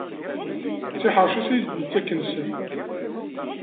D tiḥerci-s i as-yettaken sser.